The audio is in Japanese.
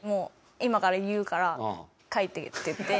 今から言うから書いてって言って。